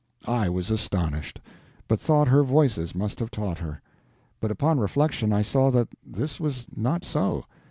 I was astonished, but thought her Voices must have taught her. But upon reflection I saw that this was not so.